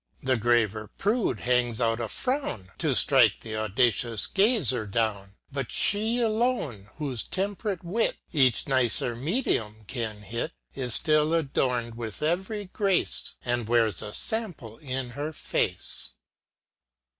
The graver prude hangs out a frown To ftrike th' audacious gazer down; But 4he alone, whofe temp'rate wit Each nicer medium can hit, Is ftili adorn'd with ev'ry grace, And wears a {ample in her face.